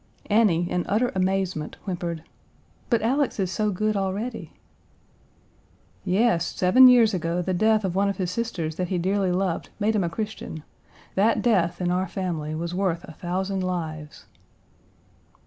Annie, in utter amazement, whimpered, "But Alex is so good already." "Yes, seven years ago the death of one of his sisters that he dearly loved made him a Christian. That death in our family was worth a thousand lives."